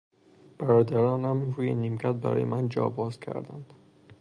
برادرانم روی نیمکت برای من جا باز کردند.